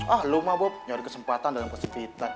ah lu mah bob nyari kesempatan dalam kesepitan